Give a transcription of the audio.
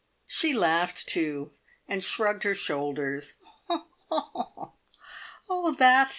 She laughed, too, and shrugged her shoulders. "Oh, that!